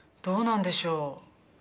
どうなんでしょう？